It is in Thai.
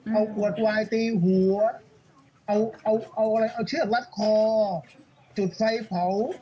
เอาปวดวายตีหัวเอาเชือกลัดคอจุดไฟเผา